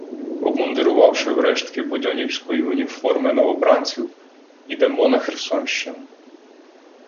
Обмундирувавши в рештки будьонівської уніформи новобранців, ідемо на Херсонщину.